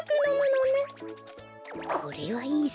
これはいいぞ。